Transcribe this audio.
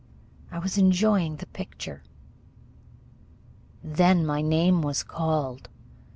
I was enjoying the picture. Then my name was called.